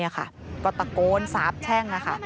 ก็ตะโกนสาบแช่ง